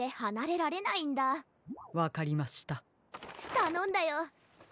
たのんだよ。